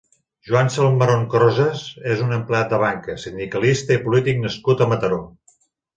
Joan Salmeron Crosas és un empleat de banca, sindicalista i polític nascut a Mataró.